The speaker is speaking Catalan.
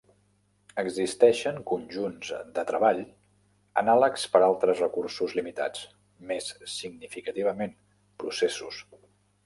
Existeixen conjunts de treball anàlegs per a altres recursos limitats, més significativament processos.